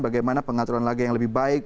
bagaimana pengaturan laga yang lebih baik